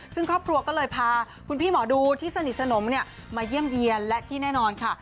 ซึ่งครอบครัวก็เลยพาคุณพี่หมอดูที่สนิทสนมมาเยี่ยมเยี่ยนและที่แน่นอนค่ะ